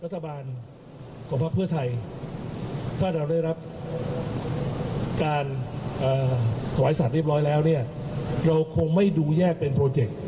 ขวายสัตว์เรียบร้อยแล้วเนี่ยเราคงไม่ดูแยกเป็นโปรเจกต์